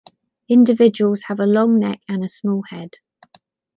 Individuals have a long neck and a small head.